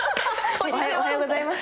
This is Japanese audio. おはようございます。